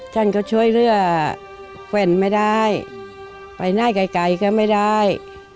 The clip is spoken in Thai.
ฉันก็ช่วยเหลือแฟนไม่ได้ไปไหนไกลก็ไม่ได้